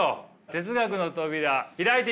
哲学の扉開いてみましょう。